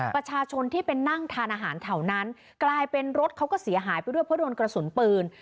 ประชาชนที่ไปนั่งทานอาหารแถวนั้นกลายเป็นรถเขาก็เสียหายไปด้วยเพราะโดนกระสุนปืน